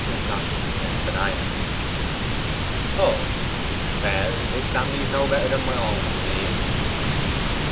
'Not in the sense that I am.' 'Oh!...Well, his family is no better than my own, 'a b'lieve.